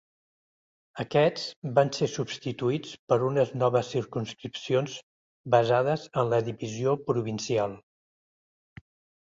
Aquests van ser substituïts per unes noves circumscripcions basades en la divisió provincial.